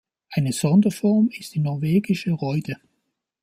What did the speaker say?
Eine Sonderform ist die „Norwegische Räude“.